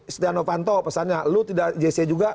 istiano panto pesannya lu tidak jc juga